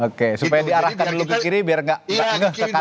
oke supaya diarahkan dulu ke kiri biar nggak ke kanan